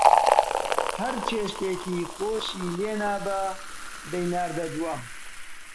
هەر چێشتێکی خۆشی لێنابا، دەیناردە دوام